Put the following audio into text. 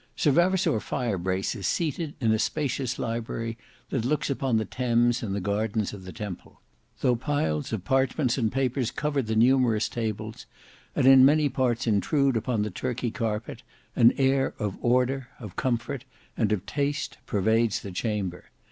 Sir Vavasour Firebrace is seated in a spacious library that looks upon the Thames and the gardens of the Temple. Though piles of parchments and papers cover the numerous tables, and in many parts intrude upon the Turkey carpet, an air of order, of comfort, and of taste, pervades the chamber.